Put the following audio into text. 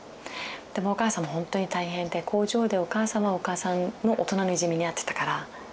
でもお母さんもほんとに大変で工場でお母さんはお母さんの大人のいじめにあってたから。